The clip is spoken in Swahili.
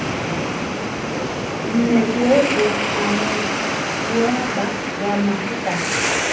Kumekuwepo na uhaba wa mafuta